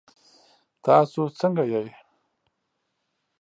تاسو ځنګه يئ؟